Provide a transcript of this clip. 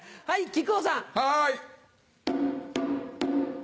はい！